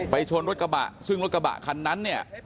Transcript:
ไปช้นรถกระบะซึ่งรถกระบะคันนั้น